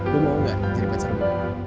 lu mau gak jadi pacar gue